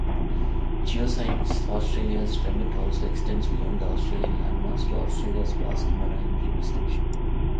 Geoscience Australia's remit also extends beyond the Australian landmass to Australia's vast marine jurisdiction.